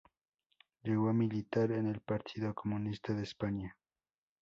Llegó a militar en el Partido Comunista de España.